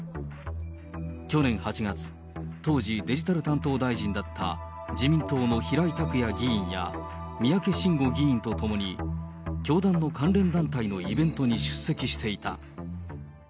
去年８月、当時、デジタル担当大臣だった自民党の平井卓也議員や、三宅伸吾議員と共に教団の関連団体のイベントに出席していた。